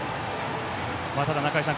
ただ、中居さん